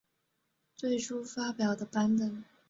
最初发表的版本。